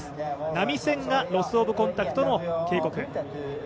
波線がロス・オブ・コンタクトの警告。